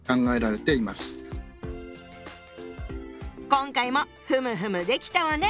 今回もふむふむできたわね！